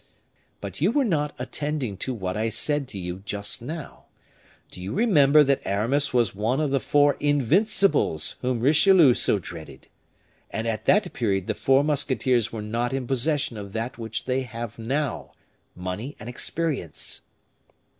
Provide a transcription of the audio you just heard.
"But you were not attending to what I said to you just now. Do you remember that Aramis was one of the four invincibles whom Richelieu so dreaded? And at that period the four musketeers were not in possession of that which they have now money and experience."